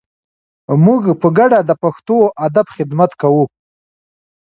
موږ په ګډه د پښتو ادب خدمت کوو.